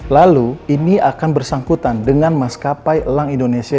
lalu ini akan bersangkutan dengan mas kapai elang indonesia